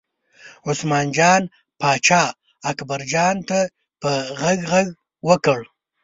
عثمان جان پاچا اکبرجان ته په غږ غږ وکړ.